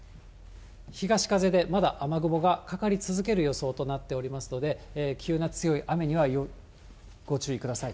東風でまだ雨雲がかかり続ける予想となっておりますので、急な強い雨にはご注意ください。